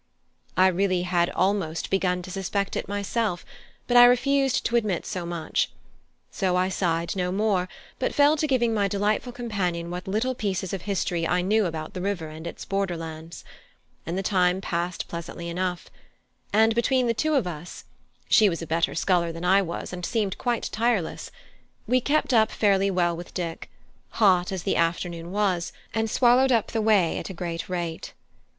I really had almost begun to suspect it myself, but I refused to admit so much; so I sighed no more, but fell to giving my delightful companion what little pieces of history I knew about the river and its borderlands; and the time passed pleasantly enough; and between the two of us (she was a better sculler than I was, and seemed quite tireless) we kept up fairly well with Dick, hot as the afternoon was, and swallowed up the way at a great rate.